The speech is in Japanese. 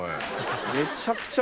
めちゃくちゃ。